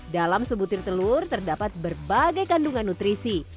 dalam sebutir telur terdapat berbagai kandungan nutrisi